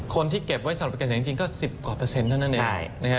คนที่เก็บไว้สำหรับประกันเสียงจริงก็๑๐กว่าเปอร์เซ็นเท่านั้นเอง